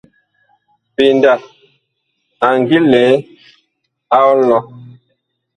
PENDA a ngi lɛ a ɔlɔ.